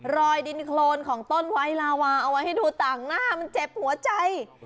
รอยดินโครนของต้นไว้ลาวาเอาไว้ให้ดูต่างหน้ามันเจ็บหัวใจ